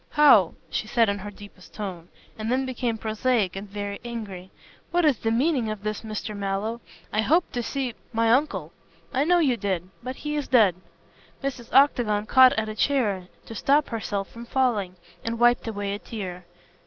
"How " she said in her deepest tone, and then became prosaic and very angry. "What is the meaning of this, Mr. Mallow? I hoped to see " "My uncle. I know you did. But he is dead." Mrs. Octagon caught at a chair to stop herself from falling, and wiped away a tear.